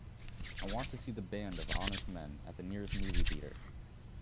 I want to see The Band of Honest Men at the nearest movie theatre.